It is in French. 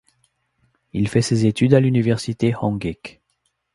Il a fait ses études à l'Université Hongik.